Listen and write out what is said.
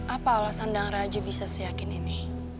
apa alasan dan raja bisa seyakin ini